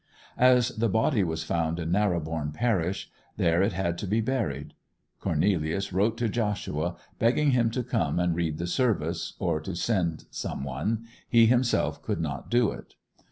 As the body was found in Narrobourne parish, there it had to be buried. Cornelius wrote to Joshua, begging him to come and read the service, or to send some one; he himself could not do it.